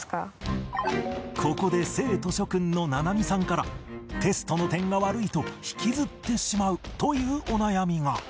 ここで生徒諸クンのななみさんからテストの点が悪いと引きずってしまうというお悩みが